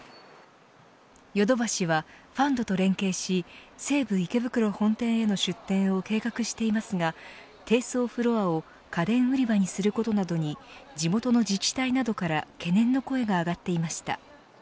ヨドバシはファンドと連携し西武池袋本店への出店を計画していますが低層フロアを家電売り場にすることなどに地元の自治体などから懸念の声が上がっていました。